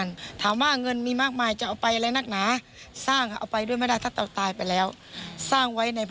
คือต้องขยันทำมาหากินจนถึงมีเงินเป็น๑๐ล้านได้อย่างไร